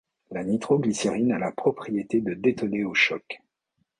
la nitro-glycérine a la propriété de détonner au choc.